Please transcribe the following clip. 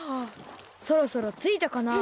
そろそろついたかな。